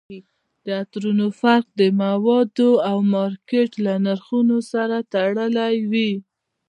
د عطرونو فرق د موادو او مارکیټ له نرخونو سره تړلی وي